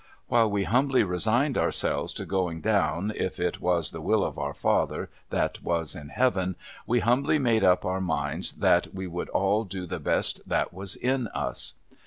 While we humbly resigned ourselves to going down, if it was the will of Our Father that was in Heaven, we humbly made up our minds, that we would all do the best that was in us.